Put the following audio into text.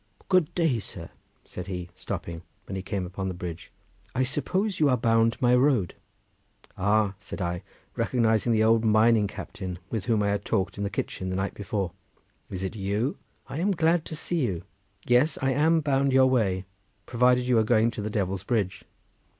"Good day, sir," said he, stopping, when he came upon the bridge. "I suppose you are bound my road?" "Ah," said I, recognising the old mining captain with whom I had talked in the kitchen the night before, "is it you? I am glad to see you. Yes! I am bound your way, provided you are going to the Devil's Bridge."